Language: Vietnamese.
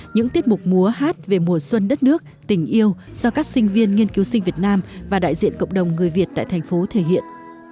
những tiết mục múa hát về mùa xuân đất nước tình yêu do các sinh viên nghiên cứu sinh việt nam và đại diện cộng đồng người việt tại thành phố thể hiện